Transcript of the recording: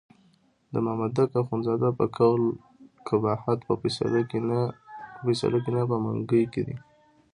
د مامدک اخندزاده په قول قباحت په فیصله کې نه په منګي کې دی.